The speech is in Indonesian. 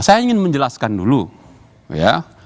saya ingin menjelaskan dulu ya